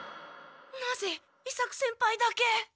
なぜ伊作先輩だけ。